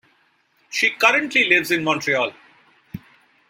She currently lives in Montreal.